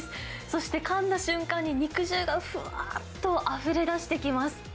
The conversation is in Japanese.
そしてかんだ瞬間に、肉汁がふわーっとあふれ出してきます。